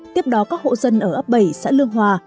tiếp đó các hộ dân ở ấp bảy xã lương hòa